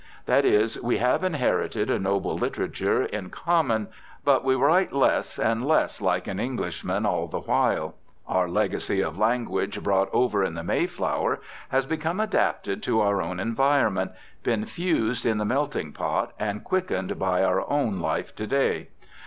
That is, we have inherited a noble literature in common. But we write less and less like an Englishman all the while. Our legacy of language brought over in the Mayflower has become adapted to our own environment, been fused in the "melting pot," and quickened by our own life to day.